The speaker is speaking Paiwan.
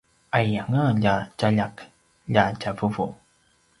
aiyanga lja tjaljak lja tjavuvu!